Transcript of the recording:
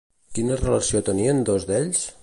Quina relació tenien dos d'ells?